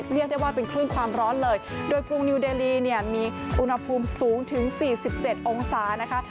เรียกได้ว่าเป็นคลื่นความร้อนเลยโดยกรุงนิวเดลีเนี่ยมีอุณหภูมิสูงถึง๔๗องศานะคะ